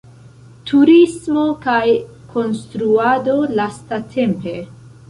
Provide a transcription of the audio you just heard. Turismo kaj konstruado lastatempe.